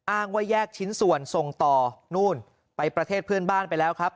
อ้างว่าแยกชิ้นส่วนส่งต่อนู่นไปประเทศเพื่อนบ้านไปแล้วครับ